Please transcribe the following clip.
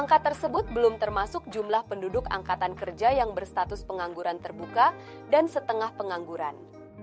angka tersebut belum termasuk jumlah penduduk angkatan kerja yang berstatus pengangguran terbuka dan setengah pengangguran